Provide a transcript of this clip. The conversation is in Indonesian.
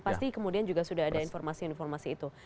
pasti kemudian juga sudah ada informasi informasi itu